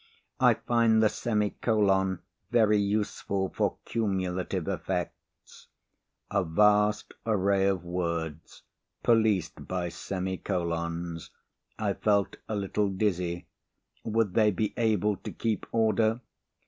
I find the semicolon very useful for cumulative effects." A vast array of words policed by semi colons. I felt a little dizzy. Would they be able to keep order?